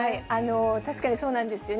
確かにそうなんですよね。